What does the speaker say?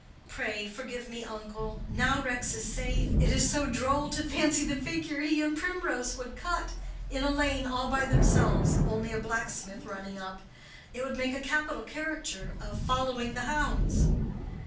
"Pray forgive me, uncle. Now Rex is safe, it is so droll to fancy the figure he and Primrose would cut—in a lane all by themselves—only a blacksmith running up. It would make a capital caricature of 'Following the Hounds.